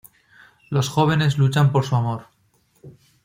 Los jóvenes luchan por su amor.